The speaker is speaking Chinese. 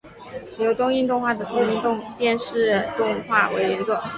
由东映动画的同名电视动画为原作。